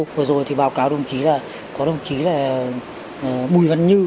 vừa rồi thì báo cáo đồng ký là có đồng ký là bùi văn như